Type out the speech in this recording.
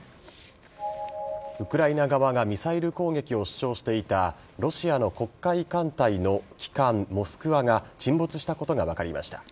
ウクライナ側がミサイル攻撃を主張していたロシアの黒海艦隊の旗艦「モスクワ」が沈没したことが分かりました。